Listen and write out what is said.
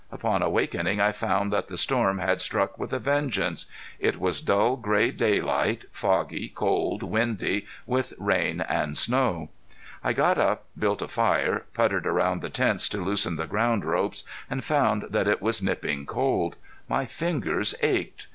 Upon awakening I found that the storm had struck with a vengeance. It was dull gray daylight, foggy, cold, windy, with rain and snow. I got up, built a fire, puttered around the tents to loosen the ground ropes, and found that it was nipping cold. My fingers ached.